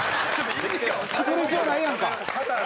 作る必要ないやんか。